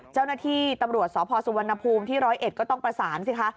เจ้าหน้าที่ตำรวจสพสุวรรณภูมิที่๑๐๑ก็ต้องประสานสิคะ